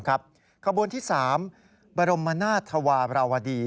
ขบวนที่สามบรมนาธวราวดี